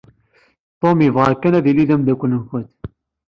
Tom yebɣa kan ad yili d ameddakkel-nkent.